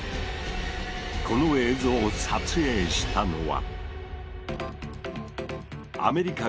この映像を撮影したのは。